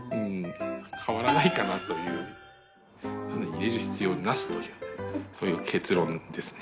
入れる必要なしというそういう結論ですね。